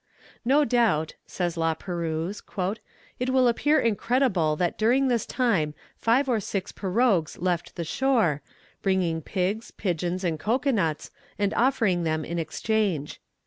"No doubt," says La Perouse, "it will appear incredible that during this time five or six pirogues left the shore, bringing pigs, pigeons, and cocoa nuts, and offering them in exchange.